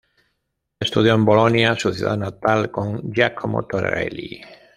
Estudió en Bolonia, su ciudad natal, con Giacomo Torelli.